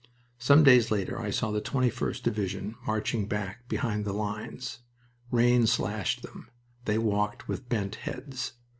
Some days later I saw the 21st Division marching back behind the lines. Rain slashed them. They walked with bent heads.